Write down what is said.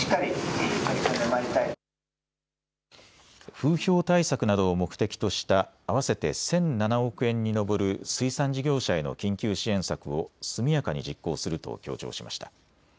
風評対策などを目的とした合わせて１００７億円に上る水産事業者への緊急支援策を速やかに実行すると強調しました。